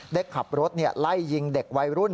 ได้ขับรถไล่ยิงเด็กวัยรุ่น